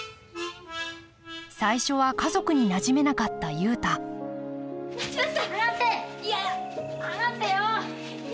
最初は家族になじめなかった雄太待ちなさい！